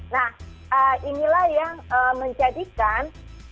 nah inilah yang menjadikan